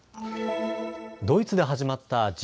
ドイツで始まったＧ７